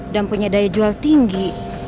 dan punya daya jual tinggi